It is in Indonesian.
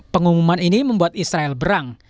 pengumuman ini membuat israel berang